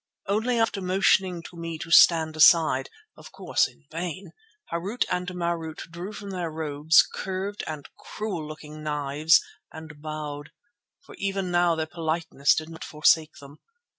Only after motioning to me to stand aside, of course in vain, Harût and Marût drew from their robes curved and cruel looking knives and bowed, for even now their politeness did not forsake them.